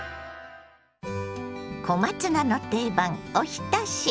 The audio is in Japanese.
小松菜の定番おひたし。